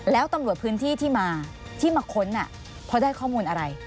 แล้วตำรวจพื้นที่ที่มาที่มาค้นพอได้ข้อมูลอะไร